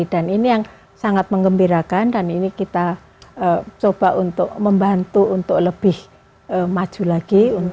dan ini yang sangat mengembirakan dan ini kita coba untuk membantu untuk lebih maju lagi